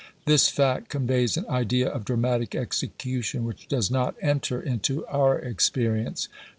This fact conveys an idea of dramatic execution which does not enter into our experience.